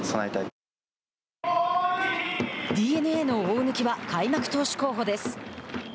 ＤｅＮＡの大貫は開幕投手候補です。